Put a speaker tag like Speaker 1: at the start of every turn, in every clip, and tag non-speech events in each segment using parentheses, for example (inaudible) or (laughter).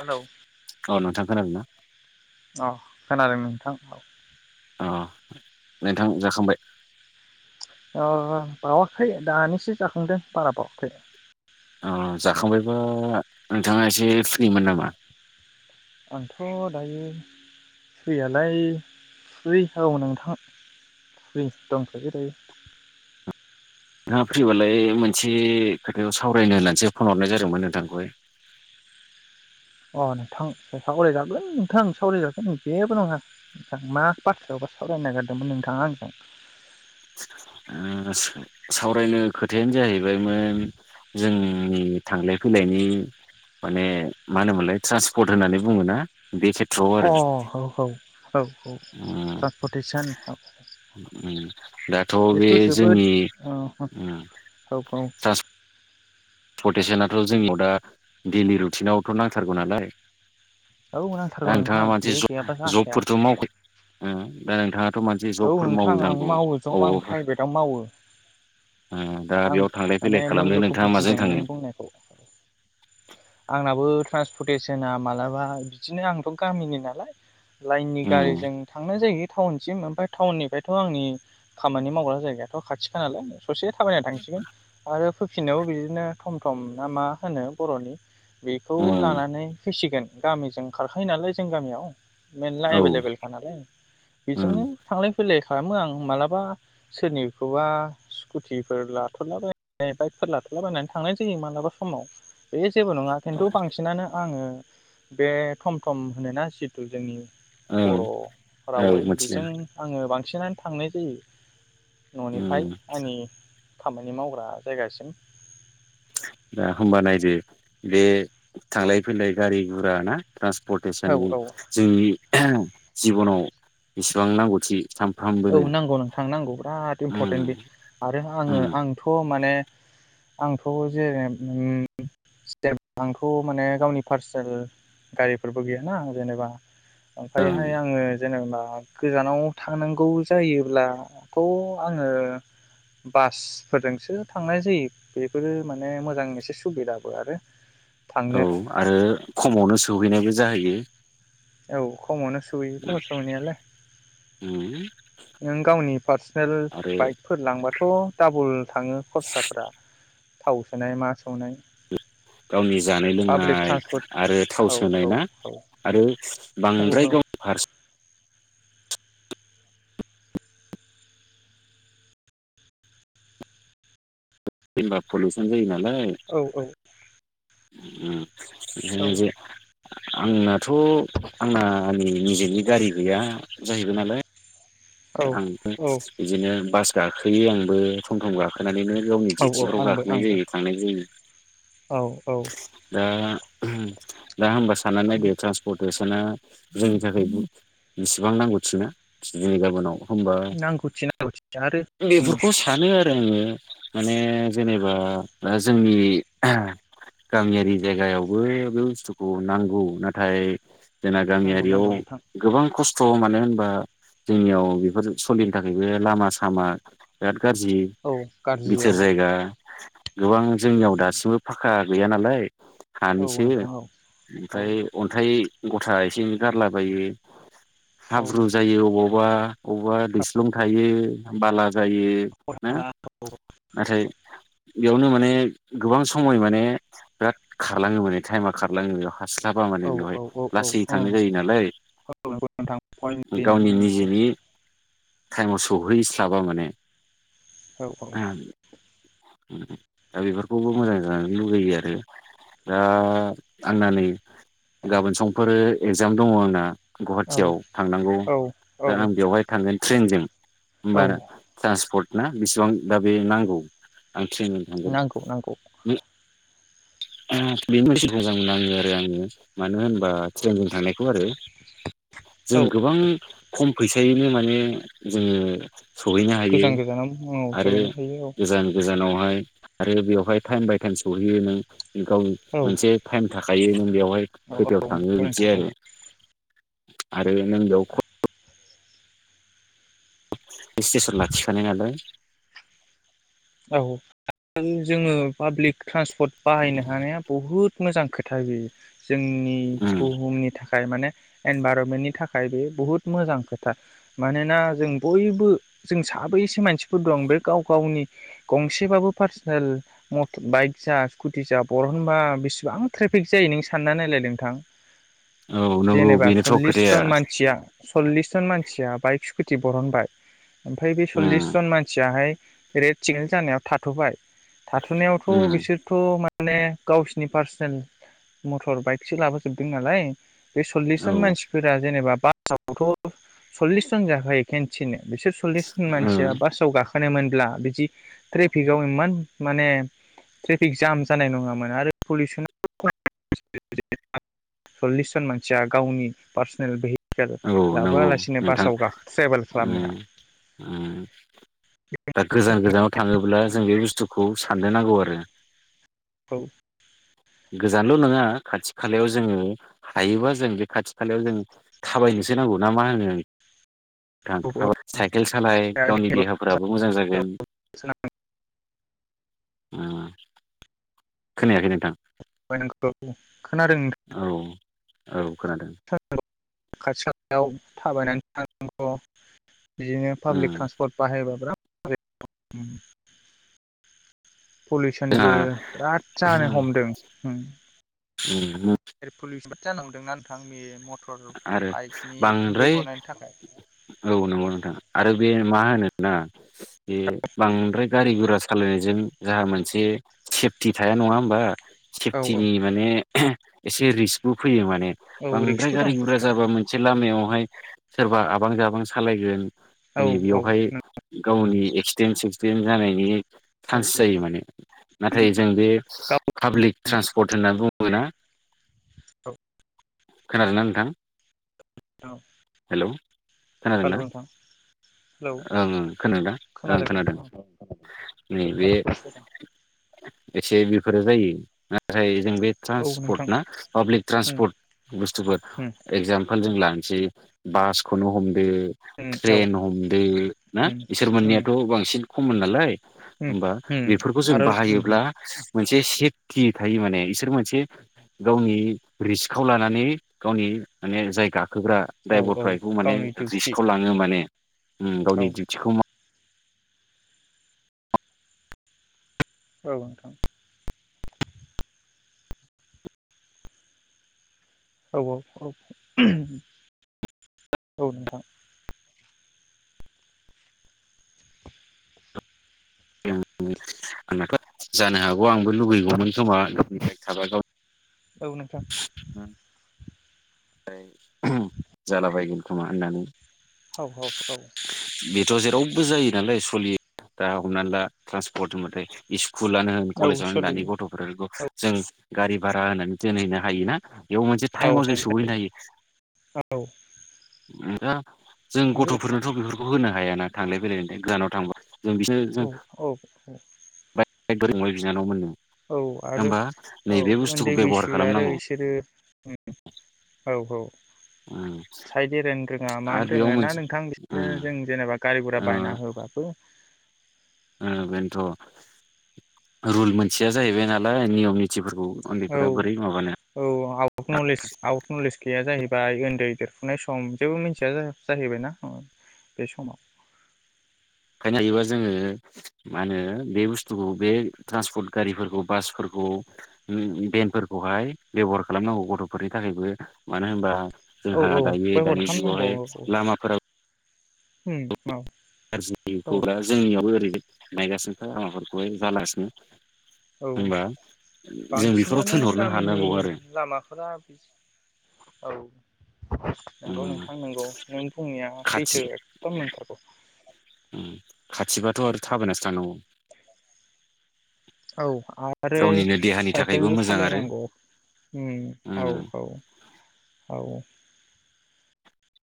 Speaker 1: Hello
Speaker 2: औ नोंथां खोनादोंना?
Speaker 1: अ खोनादों नोंथां औ
Speaker 2: अ नोंथां जाखांबाय?
Speaker 1: ओ बावाखै दानिसो जाखांदों बारा बावाखै
Speaker 2: अ जाखांबायबा नोंथाङा एसे फ्रिमोन नामा?
Speaker 1: आंथ दायो फ्रियालाय फ्रि औ नोंथां फ्रि दंखायो दायो
Speaker 2: थाङा फ्रिबालाय मोनसे खोथाखौ सावरायनो नानसो फन हरनाय जादोंमोन नोंथांखौहाय
Speaker 1: अ नोंथां सावरायजागोन नोंथां सावरायजागोन जेबो नङा नोंथां मा बाथाआवबा सावरायनो नागिरदोंमोन नोंथाङा आंजों
Speaker 2: ओ सावरायनो खोथायानो जाहैबायमोन जोंनि थांलाय फैलायनि माने मा होनोमोनलाय ट्रान्सपर्ट होननानै बुङोना बे खेथ्रआव
Speaker 1: अ
Speaker 2: आरो
Speaker 1: औ औ औ औ
Speaker 2: उम
Speaker 1: ट्रान्सपर्टेसन
Speaker 2: उम दाथ बे
Speaker 1: बेथ' जोबोद
Speaker 2: जोंनि
Speaker 1: औ
Speaker 2: ओ
Speaker 1: औ औ
Speaker 2: पटेसनाथ' जोंनाव दा दैलि रुटिनावथ' नांथारगौ नालाय
Speaker 1: औ
Speaker 2: दा
Speaker 1: नांथारगौ
Speaker 2: नोंथाङा
Speaker 1: नोंथां
Speaker 2: मानसे
Speaker 1: बे गैयाबा जाखाया
Speaker 2: जबफोरथ' मावखायो दा नोंथ मोनसे
Speaker 1: औ
Speaker 2: जबफोर
Speaker 1: नोंथां
Speaker 2: मावो
Speaker 1: आं मावो जब आं
Speaker 2: जानांगौब
Speaker 1: प्राइभेटाव मावो
Speaker 2: दा
Speaker 1: आं
Speaker 2: बेयाव थांलाय फैलाय
Speaker 1: माने
Speaker 2: खालामनो
Speaker 1: मुल्यखौ
Speaker 2: नोंथाङा माजों
Speaker 1: बुजिदों नों
Speaker 2: थाङो
Speaker 1: बुंनायखौ आंनाबो ट्रान्सपरटेसना मालाबा बिदिनो आंथ' गामिनि नालाय लाइननि
Speaker 2: उम
Speaker 1: गारिजों थांनाय जायो टाउनसिम ओमफ्राय टाउननिफ्रायथ' आंनि खामानि मावग्रा जायगायाथ' खाथिखा नालाय ससे थाबायनानै थांसिगोन आरो फैबिननायावबो बिदिनो थम थम ना मा होनो बर'नि बेखौ
Speaker 2: उम
Speaker 1: लानानै फैसिगोन गामिजों खारखायो नालाय जों गामियाव मेरला
Speaker 2: औ
Speaker 1: एभेलेबेलखा नालाय बेजोंनो
Speaker 2: उम
Speaker 1: थांलाय फैलाय खालामो आं मालाबा सोरनिखौबा स्कुटिफोर लाथ'लाबाय बाइकफोर लाथ'लाबायनानै थांनाय जायो मालाबा समाव बे जेबो नङा खिनथु बांसिनानो आङो बे थम थम होनोना जितु जोंनि बर'
Speaker 2: ओं औ
Speaker 1: रावै
Speaker 2: मिथिदों
Speaker 1: बेजों बांसिनानो थांनाय जायो न'निफ्राय
Speaker 2: उम
Speaker 1: आंनि खामानि मावग्रा जायगासिम
Speaker 2: दा होमबा नायदो बे थांलाय फैलाय गारि गुरा ना
Speaker 1: औ
Speaker 2: ट्रान्सपर्टेसननि
Speaker 1: औ
Speaker 2: जोंनि
Speaker 1: औ
Speaker 2: जिबनाव बेसेबां नांगौथि
Speaker 1: औ
Speaker 2: सानफ्रामबोनो
Speaker 1: नांगौ नोंथां नांगौ बिराद इम्परटेन्ट
Speaker 2: उम
Speaker 1: बे आरो आङो
Speaker 2: उम
Speaker 1: आंथ' माने आंथ' जेने (unintelligible) माने गावनि पार्सनेल गारिफोरबो गैयाना जेनेबा
Speaker 2: ओं
Speaker 1: ओमफ्रायहाय आङो जेनेबा गोजानाव थांनां गौ जायोब्लाथ' आङो बासफोरजोंसो थांनाय जायो बेफोरो माने मोजां एसे सुबिदाबो आरो थांनो
Speaker 2: औ आरो खमावनो सहैनायबो जाहोयो
Speaker 1: औ खमावनो सहैयोथ' सौहैनायालाय
Speaker 2: उम
Speaker 1: नों गावनि पार्सनेल
Speaker 2: आरो
Speaker 1: बाइकफोर लांबा थ' डाबल थाङो खरसाफ्रा थाव सोनाय मा सो
Speaker 2: गावनि जानाय
Speaker 1: पाब्लिक
Speaker 2: लोंनाय
Speaker 1: ट्रान्सपर्ट
Speaker 2: आरो थाव
Speaker 1: औ
Speaker 2: सोनाय ना
Speaker 1: औ
Speaker 2: आरो
Speaker 1: औ
Speaker 2: बांद्राय गावनि फारसे जेनबा पलुसन जायोना लाय।
Speaker 1: औ
Speaker 2: उम।
Speaker 1: औ
Speaker 2: बिदिनो बे आंनाथ' आंना आंनि निजेनि गारि गैया जाहैबाय नालाय
Speaker 1: औ
Speaker 2: आं
Speaker 1: औ
Speaker 2: (unintelligible) बिदिनो बास गाखोयो आंबो टम टम गाखोनानैनो गावनि
Speaker 1: औ
Speaker 2: डिउथिफ्राव
Speaker 1: आंबो
Speaker 2: गाखोनाय
Speaker 1: आंबो
Speaker 2: जायो थांनाय जायो।
Speaker 1: औ औ।
Speaker 2: दा दा होमबा साननानै दो ट्रान्सपर्टेस दाना जोंनि थाखाय बेसेबां नांगौथिना दिनै गाबोनाव होनबा
Speaker 1: नांगौथि नांगौथि आरो जों
Speaker 2: बेफोरखौ सानो आरो आङो माने जेनेबा दा जोंनि गामियारि जायगायावबो बे बुस्थुखौ नांगौ नाथाय जोंना
Speaker 1: नांगौ
Speaker 2: गामियारियाव
Speaker 1: नांगौ नोंथां
Speaker 2: गोबां खस स मानो होनबा जोंनियाव बेफोर सलिनो थाखायबो लामा सामा बिराद गाज्रि
Speaker 1: औ
Speaker 2: बिथोर
Speaker 1: गाज्रियाव
Speaker 2: जायगा गोबां जोंनियाव दासिमबो फाखा गैया नालाय।
Speaker 1: औ
Speaker 2: हानिसो
Speaker 1: नोंथां औ औ
Speaker 2: ओमफ्राय अन्थाइ गथा एसे एनै गारलाबायो।
Speaker 1: औ
Speaker 2: हाब्रु जायो अबावबा अबावबा
Speaker 1: औ
Speaker 2: दैस्लुं
Speaker 1: औ
Speaker 2: थायो। बाला जायो नाथाय बेयावनो माने गोबां खमै माने बिराद खारलाङो माने टाइमा खारलाङो। हास्लाबा माने बेवहाय लासै
Speaker 1: औ औ
Speaker 2: थांनाय जायो नालाय
Speaker 1: नंगौ नोंथां पइन्ट बे नों
Speaker 2: गावनि निजेनि
Speaker 1: बुंनाया
Speaker 2: टाइमाव सौहैस्लाबा माने
Speaker 1: औ औ।
Speaker 2: दा बेफोरखौबो मोजां। जानो लुगैयो आरो दा आंना नै गाबोन समफोरो एगजाम दङ आंना।
Speaker 1: औ
Speaker 2: गुवाहाटियाव थांनांगौ
Speaker 1: औ
Speaker 2: दा आं
Speaker 1: औ
Speaker 2: बेवहाय थांगोन। ट्रेनजों। बार
Speaker 1: औ
Speaker 2: टान्सपट ना बेसेबां दा बे नांगौ। आं ट्रेनंजों
Speaker 1: नांगौ नांगौ
Speaker 2: थांगोन बेनि मोजां मोनाङो आरो आङो मानो होनबा। ट्रेनजों थांनायखौ आरो जों
Speaker 1: औ
Speaker 2: गोबां। खम फैसायैनो माने जोङो। सहैनो हायो
Speaker 1: गोजान गोजानाव मुङाव
Speaker 2: आरो
Speaker 1: सहैनो हायो
Speaker 2: गोजान गोजानावहाय। आरो बेवहाय टाइम बाय टाइम सौहैयो नों। गाव
Speaker 1: औ
Speaker 2: मोनसे
Speaker 1: औ
Speaker 2: टाइम थाखाय। थायोनो। बेवहाय
Speaker 1: औ
Speaker 2: खोथायाव थाङो
Speaker 1: औ
Speaker 2: बिदि
Speaker 1: नोंथां
Speaker 2: आरो। आरो नों बेयाव। (unintelligible) स्टेसन लाखिखादों आरो।
Speaker 1: औ जोङो पाब्लिक ट्रान्सपर्ट बाहायनो हानाया बहुत मोजां। खोथा बे जोंनि
Speaker 2: उम
Speaker 1: बुहुमनि थाखाय माने एनभारमेन्टनि थाखाय बे बुहुत मोजां खोथा मानोना जों बयबो जों साबैसे मानसिफोर दं बे गाव गावनि गंसेबाबो पार्सनेल (unintelligible) बाइक जा स्कुटि जा बरहनबा बिसिबां ट्रेफिक जायो नों सानना नायलाय नोंथां।
Speaker 2: औ नंगौ
Speaker 1: जेनेबा
Speaker 2: बेनोथ'
Speaker 1: सल्लिस
Speaker 2: खोथाया
Speaker 1: जन मानसिया सल्लिस जन मानसिया बाइक खेथि बरनबाय। ओमफ्राय बे सल्लिस
Speaker 2: उम
Speaker 1: जन मानसियाहाय। रे सिकनेल जानायाव थाथ'बाय। थाथ'नायावथ'
Speaker 2: उम
Speaker 1: बिसोरथ' मा माने गावसिनि पार्सनेल मटर बाइकसो लाबोजोबदों नालाय। बे सल्लिस जन
Speaker 2: औ
Speaker 1: मानसिफोरा जेनेबा बा (unintelligible) सल्लिस जन जाखायो खेनसेनो। बिसोर सल्लिसन
Speaker 2: ओ
Speaker 1: मानसिया बासाव गाखोनो मोन ब्ला बिदि ट्रेफिकआव इमान माने ट्रेफिक जाम जानाय नङामोन आरो (unintelligible) जन मानसिया गावनि पार्सनेल
Speaker 2: औ
Speaker 1: (unintelligible)
Speaker 2: नंगौ
Speaker 1: लाबोआलासिनो
Speaker 2: नोंथां
Speaker 1: बासाव (unintelligible) ट्रेभेल खालामनाया।
Speaker 2: उम उम दा गोजान गोजानाव थाङोब्ला जों बे बुस्थु खौ साननो नांगौ आरो।
Speaker 1: औ।
Speaker 2: गोजानल' नङा खाथि खालायाव जोङो हायोबा जों बे खाथि खालायाव जों थाबायनोसो नांगौ ना मा होनो
Speaker 1: औ
Speaker 2: थां साइकेल सालाय गावनि देहाफोराबो मोजां जागोन।
Speaker 1: औ
Speaker 2: (unintelligible) खोनायाखै नोंथां। औ
Speaker 1: (unintelligible)
Speaker 2: औ। खोनादों।
Speaker 1: (unintelligible) बिदिनो पाब्लिक
Speaker 2: उम
Speaker 1: ट्रान्सपर्ट बाहायबा (inaudible)
Speaker 2: जोंहा
Speaker 1: पलिउसनबो बिराद जानो हमदों होम।
Speaker 2: उम।
Speaker 1: (unintelligible)
Speaker 2: आरो
Speaker 1: बाइकनि उखुन्दै
Speaker 2: बांद्राय
Speaker 1: गनायनि थाखाय
Speaker 2: औ नंगौ नोंथा आरो बे माहोनो ना ए बांद्राय गारि गरा सालायनायजों जाहा मोनसे सेफटि थाया नङा होमबा
Speaker 1: औ औ
Speaker 2: सेफटिनि माने एसे रिस्कबो फैयो माने ने
Speaker 1: औ
Speaker 2: बांद्रा
Speaker 1: रिक्सबो
Speaker 2: गारि
Speaker 1: दं
Speaker 2: गुरा जाबा मोनसे लामायावहाय सोरबा आबां जाबां सालायगोन
Speaker 1: औ
Speaker 2: बे
Speaker 1: औ
Speaker 2: बेयावहाय गावनि एक्सटिन सिक्सटिन जानायनि
Speaker 1: औ
Speaker 2: चान्स जायो माने नाथाय जों बे पाब्लिक ट्रेान्सपर्ट होननानै बुङोब्ला मीना खोनादोंना नोंथां
Speaker 1: हाल'
Speaker 2: हेलौ खोनादोंना
Speaker 1: हेल' नोंथां हेलौ
Speaker 2: ओं ओं खोनादोंदा ओं खोनादों नै बे एसे बि फोरो जायो जायो जों बे
Speaker 1: औ नोंथां
Speaker 2: ट्रान्सपर्ट ना पाब्लिक
Speaker 1: उम
Speaker 2: ट्रन्सपर्ट बुस्थुफोर
Speaker 1: उम
Speaker 2: एक्जामपोल जों ला मोनसे बासखौनो हम बे
Speaker 1: उम औ
Speaker 2: ट्रेेन हम दो ना
Speaker 1: उम
Speaker 2: इसोर
Speaker 1: उम
Speaker 2: मोननियाथ' बांसिन खम'न नालाय
Speaker 1: उम
Speaker 2: होमबा
Speaker 1: उम
Speaker 2: बेफोरखौ जों
Speaker 1: आरो उम
Speaker 2: बाहायोब्ला मोनसे सिफटि थायो माने इसोर मोनसे गावनि रिस्कखौ लानानै गावनि माने जायगा खोबग्रा
Speaker 1: औ औ
Speaker 2: द्राइभारफ्रा बेखौ माने
Speaker 1: गावनि डिउथि
Speaker 2: रिस्कखौ लाङो माने उम
Speaker 1: औ
Speaker 2: गावनि डिउटिखौ माव
Speaker 1: औ नोंथां औ औ औ औ नोंथां
Speaker 2: (unintelligible) आंनाथ' जानो हागौ आंबो लुगैगौमोन खोमा गावनि बाइक थाबा गाव
Speaker 1: औ नोंथां
Speaker 2: फ्राय जालाबायगोन खोमा होननानै
Speaker 1: हौ हौ औ
Speaker 2: बेथ' जेरावबो जायो नालाय सलियो दा हमना ला ट्रान्सपर्ट होनबाथाय इस कुलानो होन
Speaker 1: औ
Speaker 2: कलेजानो होन दानि
Speaker 1: सोलियो
Speaker 2: गथ'फोरख जों गारि भारा होनानै दोनहैनो हायोना? बेयाव मोनसे
Speaker 1: औ
Speaker 2: टाइमाव जों सहैनो हायो
Speaker 1: हायो औ
Speaker 2: (unintelligible) जों
Speaker 1: नंगौ
Speaker 2: गथ'फोरनोथ' बेफोरखौ होनो हायाना थांलाय फैलायलायनि थाय गोजानाव थांबा जों बिसोरनो जों
Speaker 1: औ औ औ
Speaker 2: (unintelligible) बिनानाव मोननो
Speaker 1: औ आरो
Speaker 2: होमबा
Speaker 1: औ
Speaker 2: नैबे बुस्थुखौ
Speaker 1: उन्दै
Speaker 2: बेब'हार
Speaker 1: बैसो आरो
Speaker 2: खालामनांगौ
Speaker 1: बिसोरो उ औ औ
Speaker 2: उम
Speaker 1: साइद एरायनो रोङा
Speaker 2: आरो
Speaker 1: मानो
Speaker 2: बेयाव
Speaker 1: रोङा ना
Speaker 2: मोनसे
Speaker 1: नोंथां बिसिनो
Speaker 2: उम
Speaker 1: जों जेनेबा गारि गुरा
Speaker 2: ओ
Speaker 1: बायना होबाबो
Speaker 2: ओ बेनोथ' रुल मोन्थिया जाहैबाय नालाय नियम नितिफोरखौ
Speaker 1: औ
Speaker 2: उन्दैफोरा बोरै माबानो
Speaker 1: औ आउफट नलिज आउफट नलिज गैया जाहैबाय उन्दै देरफुनाय सम जेबो मिथिया जाह जाहैबायना उ बे समाव
Speaker 2: खायनो हायोबा जोंङो मा होनो बे बुस्थुखौ बे ट्रान्सपर्ट गारिफोरखौ बासफोरखौ उ भेनफोरखौहाय बेब'हार खालामनांगौ गथ'फोरनि थाखायबो मानो होनबा
Speaker 1: औ
Speaker 2: जोंहा
Speaker 1: औ
Speaker 2: दायो दानि जुगावहाय लामाफोरा
Speaker 1: होम
Speaker 2: (unintelligible) जोंनियाव ओरै नायगासिनोखा (unintelligible) जालासिनो
Speaker 1: औ
Speaker 2: बेफोराव
Speaker 1: बांसिनानो
Speaker 2: थोनहरनो
Speaker 1: गामिनि
Speaker 2: हानांगौ आरो
Speaker 1: लामाफोरा औ
Speaker 2: उम
Speaker 1: नंगौ नोंथां नोंगौ नों बुंनाया
Speaker 2: खाथि
Speaker 1: सैथो एखदम नोंथारगौ
Speaker 2: उम खाथिबाथ' आरो थाबायनासो थानांगौ
Speaker 1: औ आरो
Speaker 2: थाखायबो
Speaker 1: साइकेलबो
Speaker 2: मोजां आरो
Speaker 1: सालायनांगौ
Speaker 2: उम
Speaker 1: ओम औ-औ औ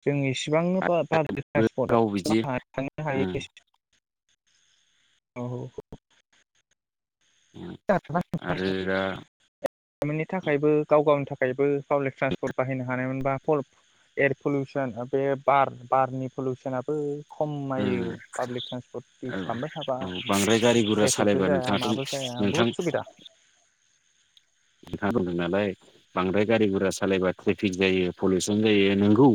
Speaker 1: जोंनि सिबांनो पाब्लिक
Speaker 2: आरो गाव बिदि
Speaker 1: ट्रेन्सपर्टआव थांनो
Speaker 2: उम
Speaker 1: हायो औ
Speaker 2: उम आरो दा
Speaker 1: (unintelligible) गामिनि थाखायबो गाव गावनि थाखायबो पाब्लिक ट्रान्सपट बाहायनो हानायमोन बा पल एयार पलिउसन बे बार बारनि पलिउसनाबो
Speaker 2: उम
Speaker 1: खमायो पाब्लिक ट्रेन्सपर्ट
Speaker 2: औ
Speaker 1: इउस खालामबाय थाबा
Speaker 2: औ बांद्राय गारि गुरा
Speaker 1: ट्रेफिकबो
Speaker 2: सालायबा
Speaker 1: जाया
Speaker 2: नोंथाङाथ'
Speaker 1: माबो जाया बुहुद सुबिदा
Speaker 2: नोंथां बुंदों नालाय बांद्राय गारि गुरा सालायबा ट्रेफिक जायो पलिउसन जायो नोंगौ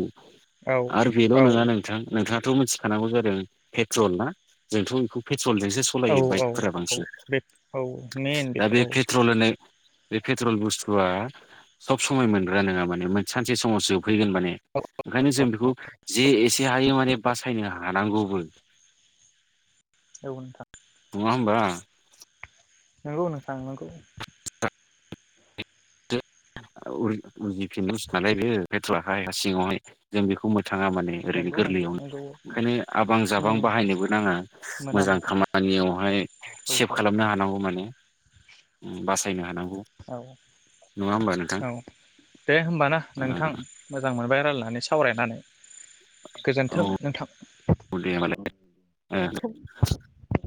Speaker 1: औ
Speaker 2: आरो बेल'
Speaker 1: औ
Speaker 2: नङा नोंथां नोंथाङाथ' मिथि खानांगौ जादों पेट्रल ना जोंथ' बेखौ पे ट्रलजोंसो
Speaker 1: औ
Speaker 2: सलायो
Speaker 1: औ
Speaker 2: बाइकफोरा बांसिन
Speaker 1: बे औ मेन
Speaker 2: दा
Speaker 1: बेथ'
Speaker 2: बे
Speaker 1: औ।
Speaker 2: पेट्रल होननाय बे पेट्रल बुस्थुआ सब समय मोनग्रा नोङा माने सानसे समाव जोब फैगोन माने ओंखायनो जों बेखौ जे एसे हायो माने बासायनो हा नांगौबो नङा
Speaker 1: औ नोंथां
Speaker 2: होमबा
Speaker 1: नंगौ नोंथां नंगौ
Speaker 2: उल उजिफिनि बुस्थु नालाय बेयो पेट्रलाहाय हा सिङावहाय जों बेखौ मोन नो थाङा माने ओरैनो
Speaker 1: नंगौ नोंथां
Speaker 2: गोरलैयावनो
Speaker 1: नंगौ औ।
Speaker 2: ओंखायनो आबां जाबां
Speaker 1: उम
Speaker 2: बाहायनोबो नाङा
Speaker 1: मोना
Speaker 2: मोजां
Speaker 1: नोंथां
Speaker 2: खामानियावहाय
Speaker 1: औ
Speaker 2: सेब खालामनो हानांगौ माने ओम बास सायनो हानां गौ
Speaker 1: औ औ।
Speaker 2: नङा होमबा नों
Speaker 1: औ दे होमबा ना नोंथां मोजां मोनबाय रायलायनानै सावरायनानै
Speaker 2: औ
Speaker 1: गोजोन्थों नोंथां
Speaker 2: (unintelligible)
Speaker 1: गोजोनथों